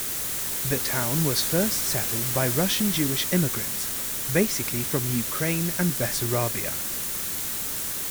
The town was first settled by Russian Jewish immigrants basically from Ukraine and Bessarabia.